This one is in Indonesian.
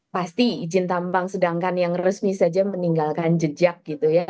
pasti izin tambang sedangkan yang resmi saja meninggalkan jejak gitu ya